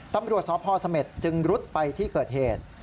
ตำรวจสพเสม็ดจึงรุดไปที่เกิดเหตุ